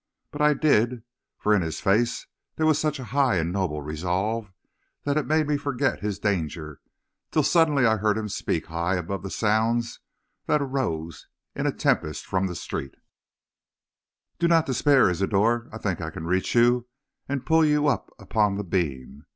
But I did, for in his face there was such a high and noble resolve that it made me forget his danger, till suddenly I heard him speak high above the sounds that arose in a tempest from the street: "'Do not despair, Isidor. I think I can reach you and pull you up upon the beam.